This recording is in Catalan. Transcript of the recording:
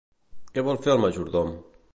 Què vol fer el majordom?